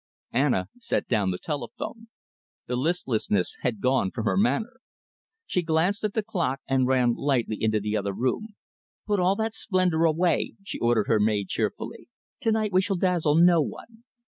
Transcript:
Anna set down the telephone. The listlessness had gone from her manner. She glanced at the clock and ran lightly into the other room. "Put all that splendour away," she ordered her maid cheerfully. "To night we shall dazzle no one.